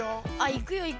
「行くよ行くよ」？